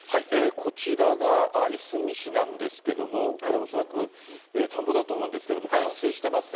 こちらがいすみ市なんですけれども、これ恐らく田んぼだと思うんですけれども、冠水してますね。